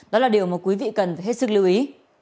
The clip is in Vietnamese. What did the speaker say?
đó là điều mà quý vị cần phải hết sức lưu ý